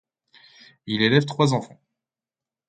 Il élève trois enfants.